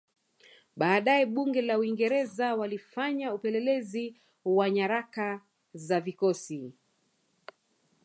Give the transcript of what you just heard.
Baadae Bunge la Uingereza walifanya upelelezi wa nyaraka za vikosi